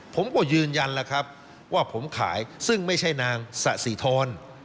ผมก็ยืนยันแล้วครับว่าผมขายซึ่งไม่ใช่นางสะสีทร